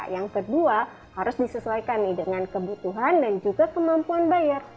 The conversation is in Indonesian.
yang kedua harus disesuaikan dengan kebutuhan dan juga kemampuan bayar